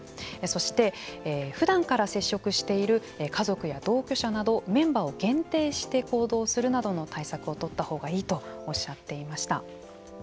そしてふだんから接触している家族や同居者などメンバーを限定して行動するなどの対策を取ったほうがいいとおっしゃっていました。